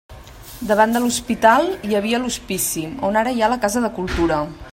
Davant de l'Hospital hi havia l'Hospici, on ara hi ha la Casa de Cultura.